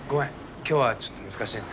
今日はちょっと難しいんだ。